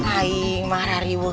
aing mah rariwo